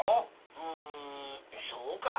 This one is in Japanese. うんそうか？